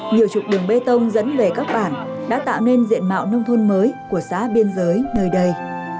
nhiều chục đường bê tông dẫn về các bản đã tạo nên diện mạo nông thôn mới của xã biên giới nơi đây